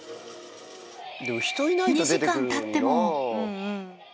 ２時間たっても。